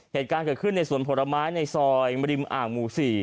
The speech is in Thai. เหตุการณ์เกิดขึ้นในสวนผลไม้ในซอยมริมอ่างหมู่๔